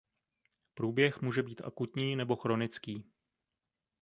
Průběh může být akutní nebo chronický.